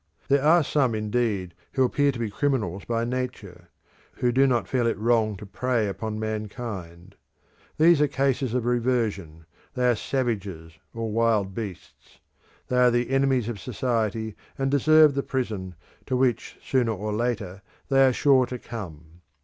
There are some, indeed, who appear to be criminals by nature; who do not feel it wrong to prey upon mankind. These are cases of reversion; they are savages or wild beasts; they are the enemies of society, and deserve the prison, to which sooner or later they are sure to come.